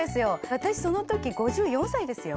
私その時５４歳ですよ。